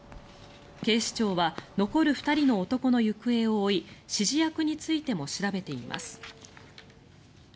警視庁は残る２人の男の行方を追い指示役についても調べています。